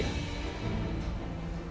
ibu emang ada di sini pak